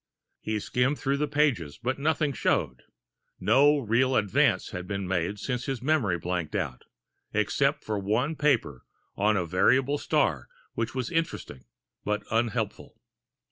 He skimmed, through the pages, but nothing showed. No real advance had been made since his memory blanked out, except for one paper on variable stars which was interesting, but unhelpful.